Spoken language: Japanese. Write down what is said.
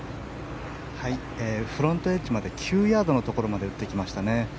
フロントエッジまで９ヤードのところまで打ってきましたね。